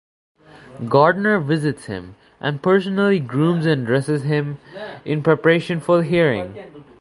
Gardner visits him and personally grooms and dresses him in preparation for the hearing.